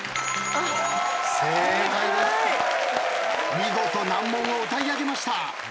見事難問を歌い上げました。